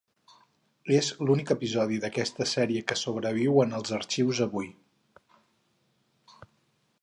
És l'únic episodi d'aquesta sèrie que sobreviu en els arxius avui.